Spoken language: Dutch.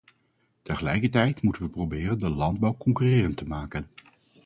Tegelijkertijd moeten we proberen de landbouw concurrerend te maken.